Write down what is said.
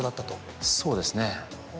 そうですね。